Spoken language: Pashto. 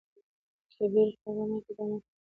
کبير: هغه ماته په مخه راغلو.